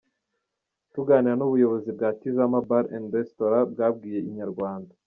Tuganira n’ubuyobozi bwa Tizama Bar& Restaurent bwabwiye Inyarwanda.